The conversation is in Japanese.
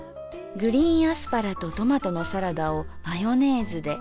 グリーンアスパラとトマトのサラダをマヨネーズで。